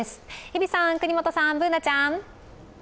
日比さん、國本さん、Ｂｏｏｎａちゃん。